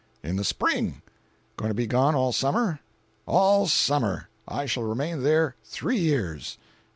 "In the Spring." "Going to be gone all summer?" "All summer! I shall remain there three years."